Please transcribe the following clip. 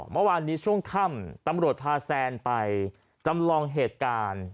เมื่อวานนี้ช่วงค่ำตำรวจพาแซนไปจำลองเหตุการณ์